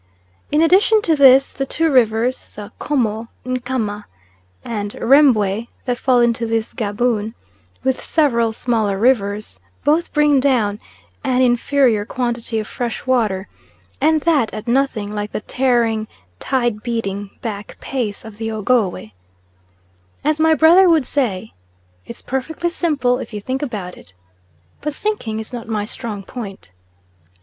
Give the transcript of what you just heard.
In addition to this the two rivers, the 'Como (Nkama) and Rembwe that fall into this Gaboon, with several smaller rivers, both bring down an inferior quantity of fresh water, and that at nothing like the tearing, tide beating back pace of the Ogowe. As my brother would say, "It's perfectly simple if you think about it;" but thinking is not my strong point.